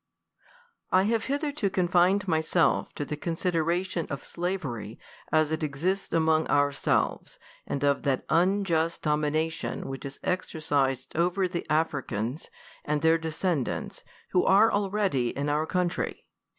I HAVE hitherto confined myself to the considera tion of slavery as it exists among ourselves, and of that unjust domination which is exercised over the Af ricans and their descendants, who are already in our country.